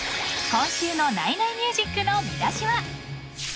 ［今週の『ナイナイミュージック』の見出しは？］